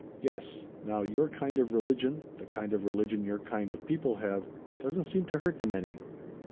"Yes; now your kind of religion the kind of religion your kind of people have, doesn't seem to hurt them any."